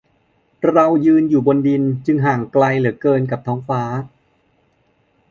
"เรายืนอยู่บนดิน จึงห่างไกลเหลือเกินกับท้องฟ้า"